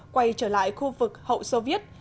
quay trở lại khu vực hậu soviet